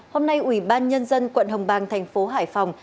hôm nay ủy ban nhân dân quận hồng bang thành phố hải phòng